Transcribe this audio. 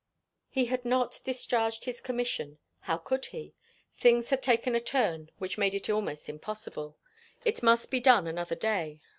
He had not discharged his commission; how could he? Things had taken a turn which made it almost impossible. It must be done another day.